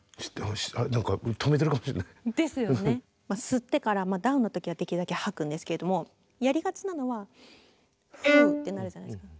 吸ってからダウンの時はできるだけはくんですけれどもやりがちなのはフーッてなるじゃないですか。